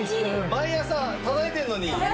毎朝たたいてるのに。